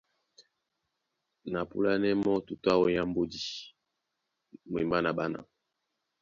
Ná a mapúlánɛ́ mɔ́ tutú áō nyá mbódi mwembá na ɓána.